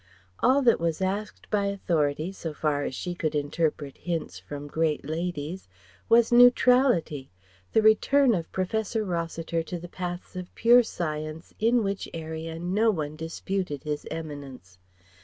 All that was asked by Authority, so far as she could interpret hints from great ladies, was neutrality, the return of Professor Rossiter to the paths of pure science in which area no one disputed his eminence.